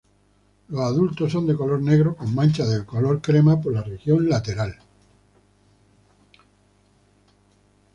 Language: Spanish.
Los adultos son de color negro con manchas color crema por la región lateral.